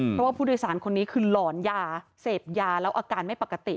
เพราะว่าผู้โดยสารคนนี้คือหลอนยาเสพยาแล้วอาการไม่ปกติ